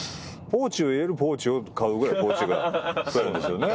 ポーチを入れるポーチを買うぐらいポーチが増えるんですよね。